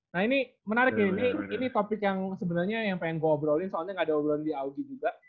nah ini menarik ya ini topik yang sebenarnya yang pengen ngobrolin soalnya gak ada obrolan di audi juga